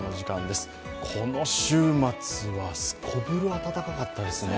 この週末はすこぶる暖かかったですね。